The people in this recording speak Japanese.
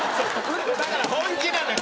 だから本気なのよ。